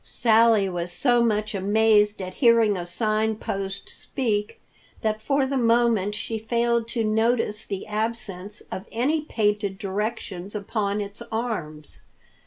Sally was so much amazed at hearing a sign post speak that for the moment she failed to notice the absence of any painted directions upon its arms.